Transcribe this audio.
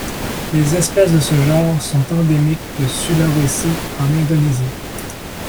Les espèces de ce genre sont endémiques de Sulawesi en Indonésie.